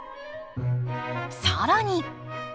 更に。